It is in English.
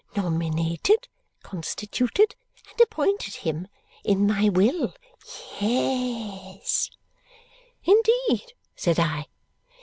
Nominated, constituted, and appointed him. In my will. Ye es." "Indeed?" said I.